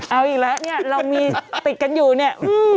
เอาอีกแล้วเนี่ยเรามีติดกันอยู่เนี่ย